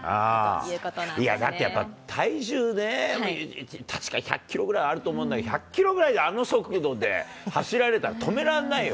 いや、だってやっぱ、体重ね、確か１００キロぐらいあると思うんだよ、１００キロぐらい、あの速度で走られたら止められないよ。